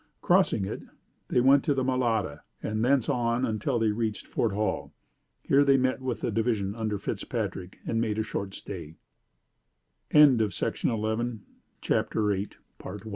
Crossing it they went to the Malade and thence on until they reached Fort Hall. Here they met with the division under Fitzpatrick and made a short stay. Once more Colonel Fremont starte